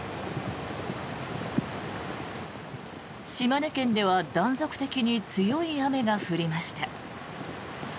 島根県では断続的に強い雨が降りました。